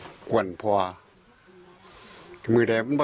อันนี้เป็นคำกล่าวอ้างของทางฝั่งของพ่อตาที่เป็นผู้ต้องหานะ